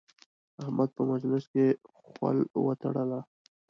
احمد په مجلس کې خول وتړله.